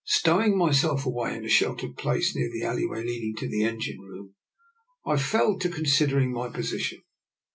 Stowing myself away in a sheltered place near the alley way leading to the engine room, I fell to considering my position.